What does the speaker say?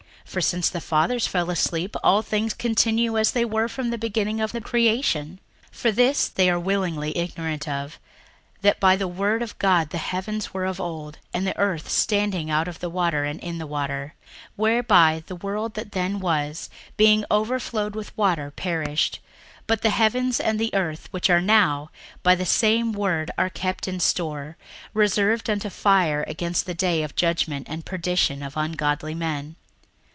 for since the fathers fell asleep, all things continue as they were from the beginning of the creation. 61:003:005 For this they willingly are ignorant of, that by the word of God the heavens were of old, and the earth standing out of the water and in the water: 61:003:006 Whereby the world that then was, being overflowed with water, perished: 61:003:007 But the heavens and the earth, which are now, by the same word are kept in store, reserved unto fire against the day of judgment and perdition of ungodly men.